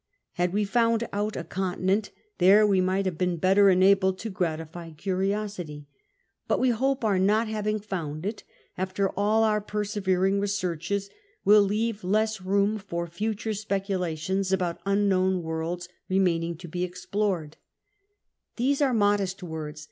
Had we found out a continent there we might have been better enabled to gratify curiosity ; but we hope our not having found it, after all our persevering I'eseorches, will leave less room for future speculations about unknown Avorlds remaining to be, explored. VIII CONCLU^ON 107 These are modest words.